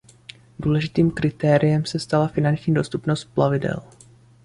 Důležitým kritériem se stala finanční dostupnost plavidel.